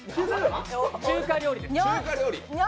中華料理です。